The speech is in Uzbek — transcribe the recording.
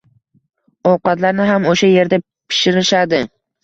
Ovqatlarni ham o`sha erda pishirishadi